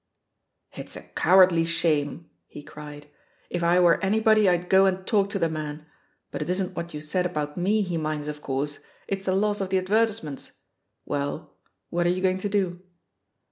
"It's a cowardly shame," he cried. "If I were anybody I'd go and talk to the man. But it isn't what you said about me he minds» of course ; it's the loss of the advertisements. Well ... what are you going to do?"